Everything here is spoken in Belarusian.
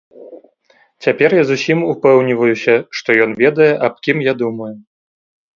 Цяпер я зусім упэўніваюся, што ён ведае, аб кім я думаю.